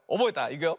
いくよ。